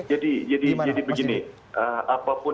jadi begini apapun